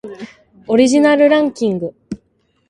オリジナルランキング